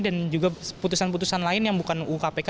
dan juga putusan putusan lain yang bukan ukpk